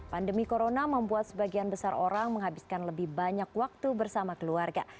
pandemi corona membuat sebagian besar orang menghabiskan lebih banyak waktu bersama keluarga